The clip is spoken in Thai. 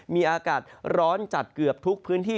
มีอากาศร้อนจัดเกือบทุกพื้นที่